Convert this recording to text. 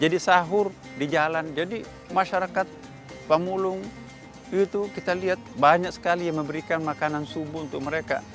jadi sahur di jalan jadi masyarakat pemulung itu kita lihat banyak sekali yang memberikan makanan subuh untuk mereka